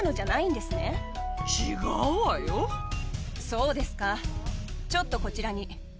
そうですかちょっとこちらに。